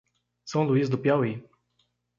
São Luís do Piauí